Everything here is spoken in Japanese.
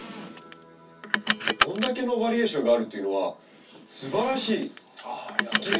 こんだけのバリエーションがあるっていうのはすばらしい！